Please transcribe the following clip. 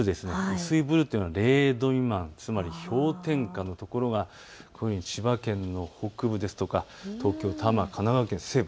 薄いブルーというのは０度未満、つまり氷点下の所が千葉県の北部や東京多摩、神奈川県西部